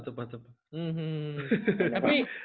itu juga gak nyangka saat itu